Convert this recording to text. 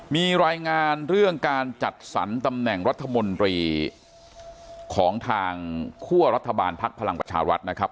มีรายงานเรื่องการจัดสรรตำแหน่งรัฐมนตรีของทางคั่วรัฐบาลภักดิ์พลังประชารัฐนะครับ